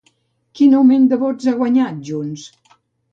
Quin augment de vots ha guanyat Junts?